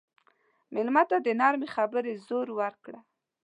مېلمه ته د نرمې خبرې زور ورکړه.